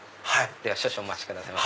では少々お待ちくださいませ。